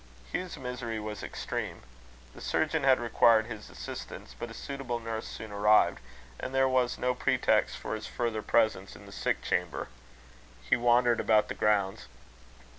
Hugh's misery was extreme. The surgeon had required his assistance; but a suitable nurse soon arrived, and there was no pretext for his further presence in the sick chamber. He wandered about the grounds.